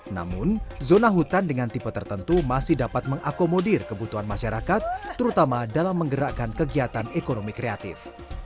namun zona hutan dengan tipe tertentu masih dapat mengakomodir kebutuhan masyarakat terutama dalam menggerakkan kegiatan ekonomi kreatif